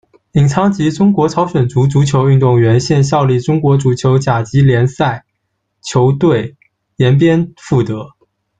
尹昌吉，中国朝鲜族足球运动员，现效力中国足球甲级联赛球队延边富德。